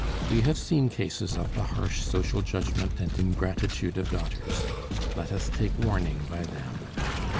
We have seen cases of the harsh social judgment and ingratitude of daughters; let us take warning by them.